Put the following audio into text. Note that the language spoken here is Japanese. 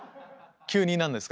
⁉急に何ですか？